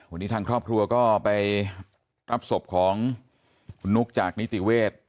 วันนี้ทางครอบครัวก็ไปรับศพของคุณนุ๊กจากนิติเวศ